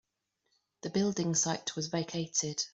The building site was vacated.